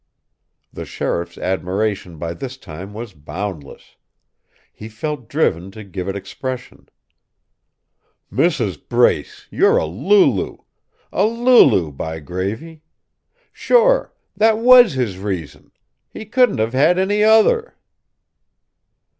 The sheriff's admiration by this time was boundless. He felt driven to give it expression. "Mrs. Brace, you're a loo loo! A loo loo, by gravy! Sure, that was his reason. He couldn't have had any other!"